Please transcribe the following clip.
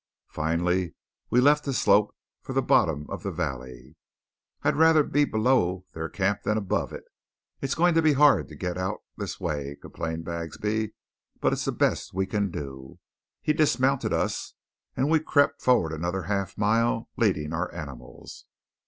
Finally we left the slope for the bottom of the valley. "I'd rather be below their camp than above it. It's going to be hard to get out this way," complained Bagsby, "but it's the best we can do." He dismounted us, and we crept forward another half mile, leading our animals.